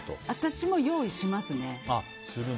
私も用意しますね。